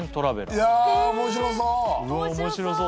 いや面白そう！